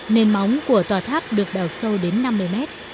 nền móng của tòa tháp được đào sâu đến năm mươi mét